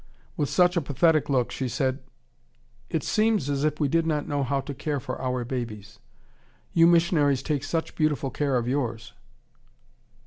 With such a pathetic look she said, "It seems as if we did not know how to care for our babies. You missionaries take such beautiful care of yours."